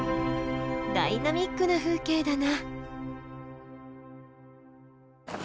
ダイナミックな風景だな。